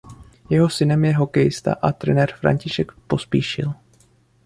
Jeho synem je hokejista a trenér František Pospíšil.